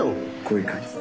こういう感じで。